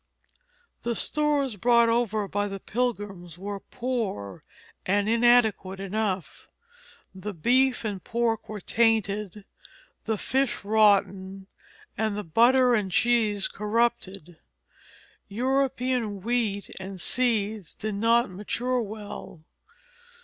The stores brought over by the Pilgrims were poor and inadequate enough; the beef and pork were tainted, the fish rotten, the butter and cheese corrupted. European wheat and seeds did not mature well.